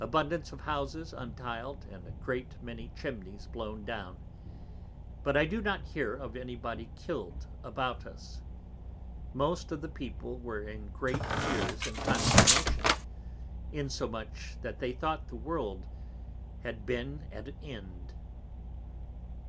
Abundance of Houses until'd, and a great many Chimneys blown down; but I do not hear of any body kill'd about us. Most of the People were in great Fears and Consternation; insomuch, that they thought the World had been at an end.